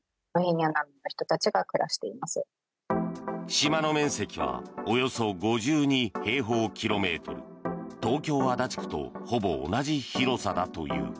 島の面積はおよそ５２平方キロメートル東京・足立区とほぼ同じ広さだという。